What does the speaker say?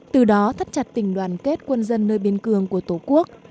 từ đó thắt chặt tình đoàn kết quân dân nơi biên cường của tổ quốc